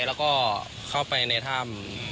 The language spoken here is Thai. แล้วก็เข้าไปในถ้ำ